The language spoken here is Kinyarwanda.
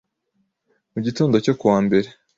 mu gitondo cyo ku wa Mbere